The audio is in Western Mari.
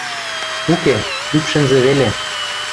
Уке, ӱпшӹнзӹ веле.